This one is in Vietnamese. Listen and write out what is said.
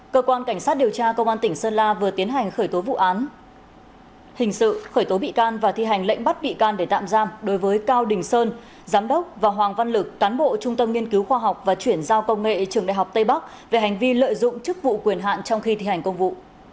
cơ quan cảnh sát điều tra công an tỉnh sơn la vừa tiến hành khởi tố vụ án hình sự khởi tố bị can và thi hành lệnh bắt bị can để tạm giam đối với cao đình sơn giám đốc và hoàng văn lực cán bộ trung tâm nghiên cứu khoa học và chuyển giao công nghệ trường đại học tây bắc về hành vi lợi dụng chức vụ quyền hạn trong khi thi hành công vụ